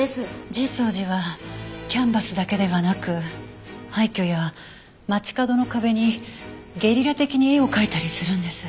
実相寺はキャンバスだけではなく廃虚や街角の壁にゲリラ的に絵を描いたりするんです。